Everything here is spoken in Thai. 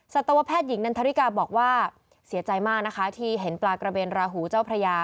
สัตวแพทย์หญิงนันทริกาบอกว่าเสียใจมากนะคะที่เห็นปลากระเบนราหูเจ้าพระยา